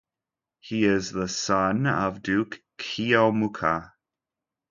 He is the son of Duke Keomuka.